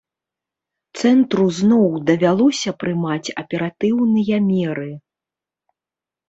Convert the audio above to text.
Цэнтру зноў давялося прымаць аператыўныя меры.